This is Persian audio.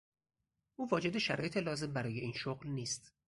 او واجد شرایط لازم برای این شغل نیست.